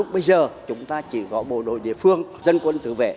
bây giờ chúng ta chỉ có bộ đội địa phương dân quân tự vệ